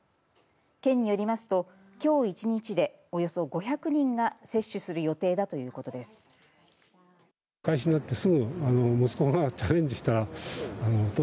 県によりますと、きょう１日でおよそ５００人が接種する予定だということです。